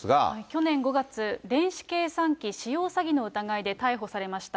去年５月、電子計算機使用詐欺の疑いで逮捕されました。